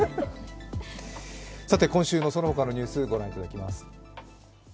今週のその他のニュース、ご覧いただきます。